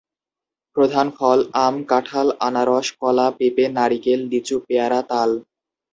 প্রধান ফল: আম, কাঁঠাল, আনারস, কলা, পেঁপে, নারিকেল, লিচু, পেয়ারা, তাল।